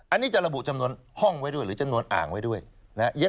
อันนี้จะระบุจำนวนห้องไว้ด้วยหรือจำนวนอ่างไว้ด้วยนะครับ